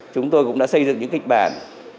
chúng tôi cũng đã xây dựng những kịch bản